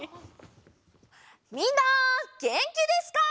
みんなげんきですか？